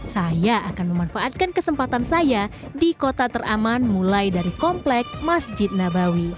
saya akan memanfaatkan kesempatan saya di kota teraman mulai dari komplek masjid nabawi